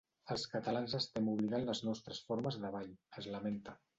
Els catalans estem oblidant les nostres formes de ball, es lamenta.